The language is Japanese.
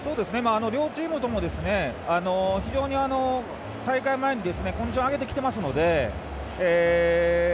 両チームとも非常に大会前にコンディションを上げてきてますので。